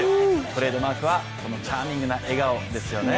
トレードマークはこのチャーミングな笑顔ですよね。